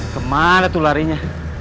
kemana tuh larinya